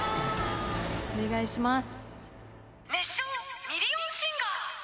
お願いします。